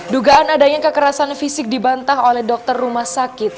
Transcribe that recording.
dugaan adanya kekerasan fisik dibantah oleh dokter rumah sakit